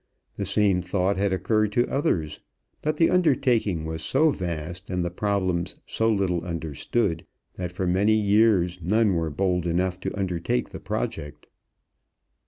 The same thought had occurred to others, but the undertaking was so vast and the problems so little understood that for many years none were bold enough to undertake the project.